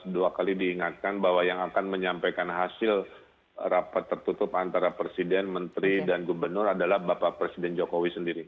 dua kali diingatkan bahwa yang akan menyampaikan hasil rapat tertutup antara presiden menteri dan gubernur adalah bapak presiden jokowi sendiri